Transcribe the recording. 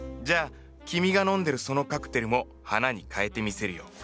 じゃあ君が飲んでるそのカクテルも花に変えてみせるよ。